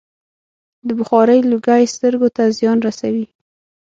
د بخارۍ لوګی سترګو ته زیان رسوي.